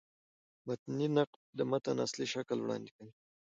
متني نقد د متن اصلي شکل وړاندي کوي.